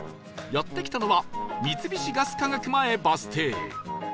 やって来たのは三菱ガス化学前バス停